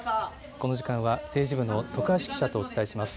この時間は政治部の徳橋記者とお伝えします。